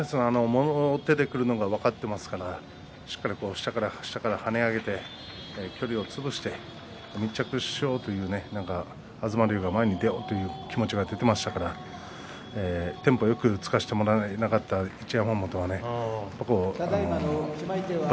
もろ手でくるのが分かっていますからしっかり下から下から跳ね上げて距離を潰して密着しようという東龍が前に出ようという気持ちが出ていましたからテンポよく突かせてもらえなかった一山本は。